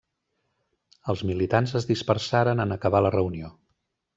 Els militants es dispersaren en acabar la reunió.